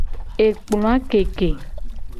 Ekploa keke.